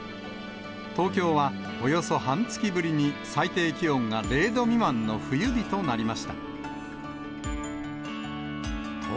東京はおよそ半月ぶりに最低気温が０度未満の冬日となりました。